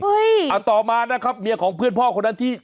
เอาต่อมานะครับเมียของเพื่อนพ่อคนนั้นที่